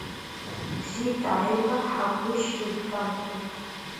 Зита Аиба-Хагәышьилҳәамҭоуп.